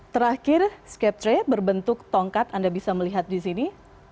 terakhir skeptra berbentuk tongkat anda bisa melihat di sini